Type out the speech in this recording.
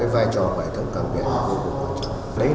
vài trò của hệ thống cảng biển là một vụ quan trọng